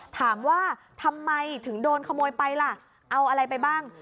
ถามว่าทำไมถึงโดนขโมยไปล่ะเอาอะไรไปบ้าง